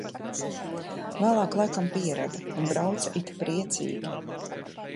Vēlāk laikam pierada un brauca it priecīgi.